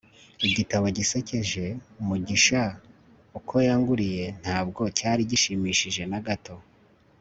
igitabo gisekeje mugishaoko yangurije ntabwo cyari gishimishije na gato